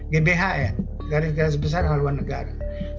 gbhn garis besar haluan negara